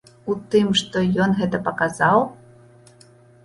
У тым, што ён гэта паказаў?